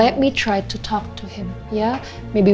biar aku coba bicara sama dia